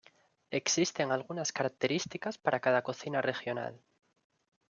Existen algunas características para cada cocina regional.